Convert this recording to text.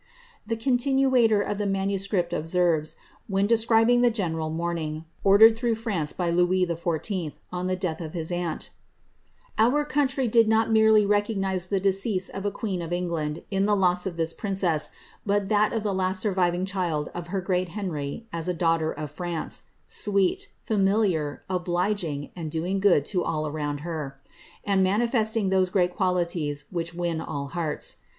The continuator of the manuscript observes, when describing the general mourning ordered through France by Louis XIV., on the death of his aunt, —" Our country did not merely recognise the decease of a queen of England, in the loss of this princess, but that of the last sur viving child of her great Henry, as a daughter of France — sweet, familiar, obliging, and doing good to all around her, and manifesting those great . qualities which win all hearts.